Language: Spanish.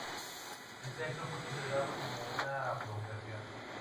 Este acto fue considerado como una provocación.